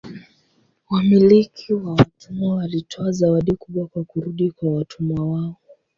Wamiliki wa watumwa walitoa zawadi kubwa kwa kurudi kwa watumwa wao.